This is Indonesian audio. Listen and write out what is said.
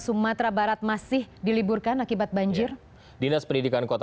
sumatera barat masih diliburkan akibat banjir